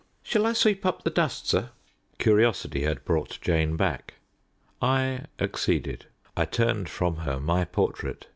"Shall I sweep up the dust, sir?" Curiosity had brought Jane back. I acceded. I turned from her my portrait.